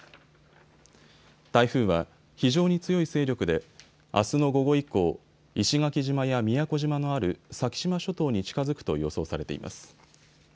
台風は非常に強い勢力であすの午後以降、石垣島や宮古島のある先島諸島に近づくと予想されています。